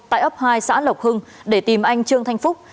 tại ấp hai xã lộc hưng để tìm anh trương thanh phúc